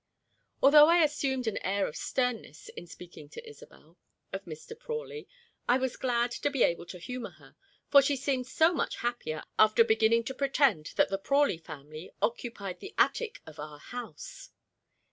Although I assumed an air of sternness in speaking to Isobel of Mr. Prawley I was glad to be able to humour her, for she seemed so much happier after beginning to pretend that the Prawley family occupied the attic of our house.